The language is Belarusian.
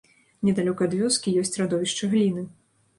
Недалёка ад вёскі ёсць радовішча гліны.